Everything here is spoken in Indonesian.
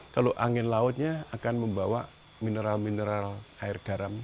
kalau angin lautnya akan membawa mineral mineral air garam